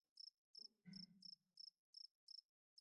Utendaji wa taasisi za umma zinazosimamia maliasili umekuwa ukizorota